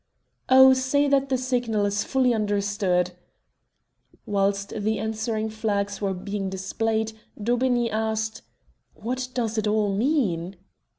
"Oh, say that the signal is fully understood." Whilst the answering flags were being displayed Daubeney asked "What does it all mean?"